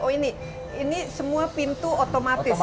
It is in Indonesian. oh ini ini semua pintu otomatis